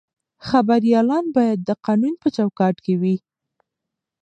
خبریالان باید د قانون په چوکاټ کې وي.